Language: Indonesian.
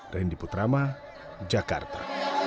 rendy putrama jakarta